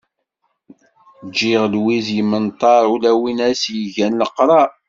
Ǧǧiɣ lwiz yemmenṭar, ula win as-yegan leqrar.